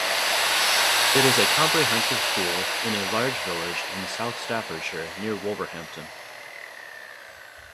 It is a comprehensive school in a large village in South Staffordshire, near Wolverhampton.